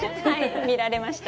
見られました。